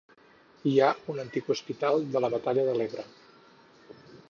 Hi ha un antic hospital de la Batalla de l'Ebre.